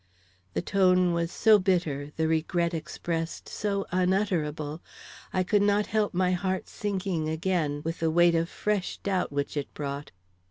The tone was so bitter, the regret expressed so unutterable, I could not help my heart sinking again with the weight of fresh doubt which it brought.